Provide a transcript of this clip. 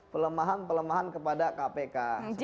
pelemahan pelemahan kepada kpk